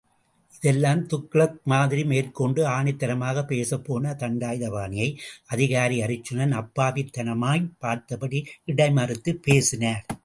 இதுல்லாம் துக்ளக் மாதிரி... மேற்கொண்டு ஆணித்தரமாகப் பேசப்போன தண்டாயுதபாணியை, அதிகாரி அர்ச்சுனன், அப்பாவித்தனமாய்ப் பார்த்தபடி, இடைமறித்துப் பேசினார்.